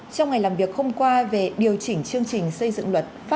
trong ngày làm việc hôm qua về điều chỉnh chương trình xây dựng luật